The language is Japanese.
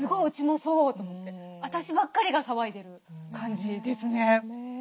私ばっかりが騒いでる感じですね。